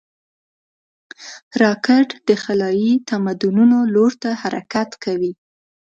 راکټ د خلایي تمدنونو لور ته حرکت کوي